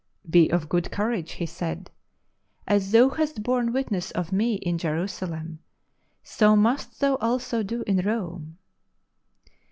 " Be of good courage," He said, "as thou hast borne Witness of Me in Jerusalem, so must thou also do in Rome."